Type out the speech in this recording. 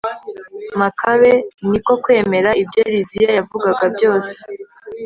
makabe ni ko kwemera ibyo liziya yavugaga byose